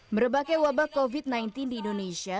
merebaknya wabah covid sembilan belas di indonesia